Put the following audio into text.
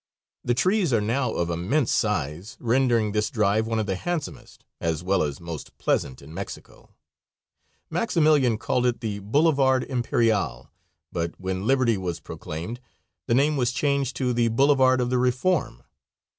The trees are now of immense size, rendering this drive one of the handsomest, as well as most pleasant, in Mexico. Maximilian called it the Boulevarde Emperiale; but when liberty was proclaimed the name was changed to the Boulevarde of the Reform.